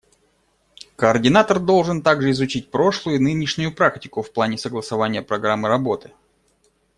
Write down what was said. Координатор должен также изучить прошлую и нынешнюю практику в плане согласования программы работы.